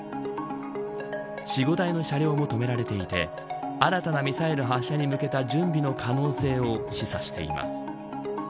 ４、５台の車両も止められていて新たなミサイル発射に向けた準備の可能性を示唆しています。